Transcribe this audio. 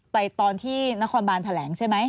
ตอนที่นครบานแถลงใช่ไหม